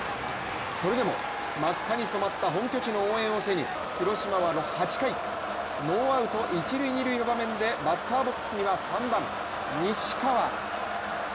それでも真っ赤に染まった本拠地の応援を背に広島は８回ノーアウト一塁・二塁の場面でバッターボックスには３番・西川。